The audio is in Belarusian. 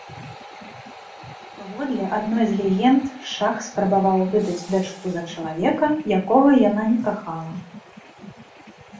Паводле адной з легенд шах спрабаваў выдаць дачку за чалавека, якога яна не кахала.